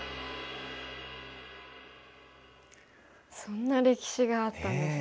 そんな歴史があったんですね。